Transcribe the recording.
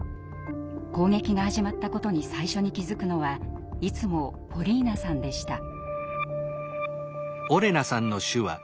攻撃が始まったことに最初に気付くのはいつもポリーナさんでした。